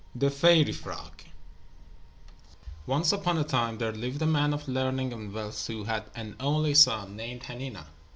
The Fairy Frog Once upon a time there lived a man of learning and wealth who had an only son, named Hanina.